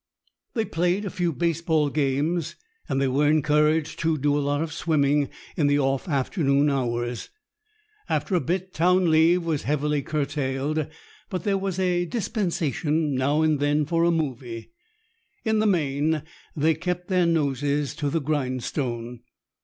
They played a few baseball games, and they were encouraged to do a lot of swimming, in the off afternoon hours. After a bit town leave was heavily curtailed, but there was a dispensation now and then for a "movie." In the main they kept their noses to the grindstone.